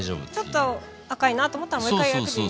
ちょっと赤いなと思ったらもう一回焼けばいいのか。